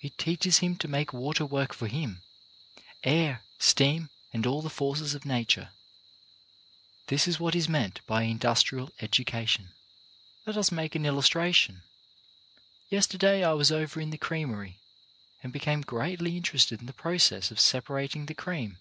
It teaches him to make water work for him, — air, steam, all the forces of nature. That is what is meant by industrial education. Let us make an illustration. Yesterday I was over in the creamery and became greatly inter ested in the process of separating the cream.